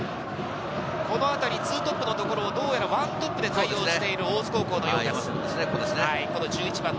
このあたり２トップのところ、どうやら１トップで対応している大津高校です。